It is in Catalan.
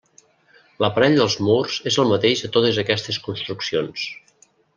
L'aparell dels murs és el mateix a totes aquestes construccions.